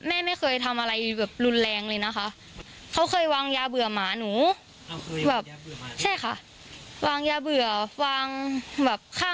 อะไรประมาณนั้นอะค่ะ